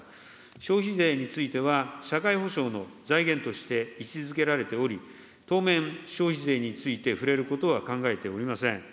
消費税については、社会保障の財源として位置づけられており、当面、消費税について触れることは考えておりません。